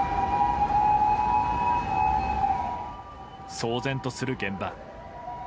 騒然とする現場。